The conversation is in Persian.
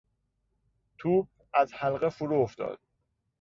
توپ از حلقه فرو افتاد.